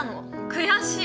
悔しい！